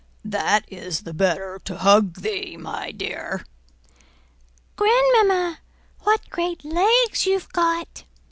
"That is the better to hug thee, my dear." "Grandmamma, what great legs you've got!"